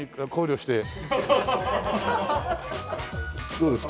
どうですか？